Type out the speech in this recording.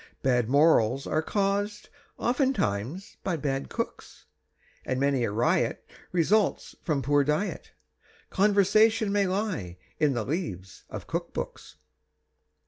Bad morals are caused, oftentimes by bad cooks, And many a riot results from poor diet Conversion may lie in the leaves of cook books.